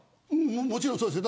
もちろん、そうですよ。